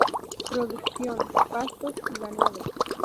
Producción: Pastos y ganado.